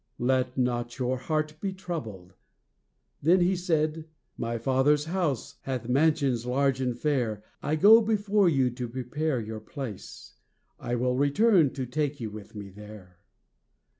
"Let not your heart be troubled," then He said, "My Father's house hath mansions large and fair; I go before you to prepare your place, I will return to take you with me there."